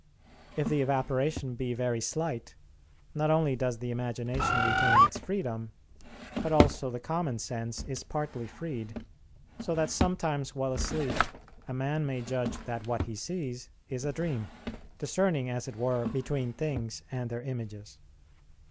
If the evaporation be very slight, not only does the imagination retain its freedom, but also the common sense is partly freed; so that sometimes while asleep a man may judge that what he sees is a dream, discerning, as it were, between things, and their images.